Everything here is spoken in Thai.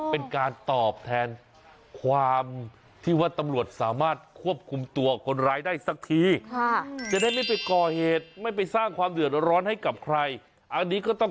เป็นการตอบแทนความที่ว่าตำรวจสามารถควบคุมตัวกลรายได้สักที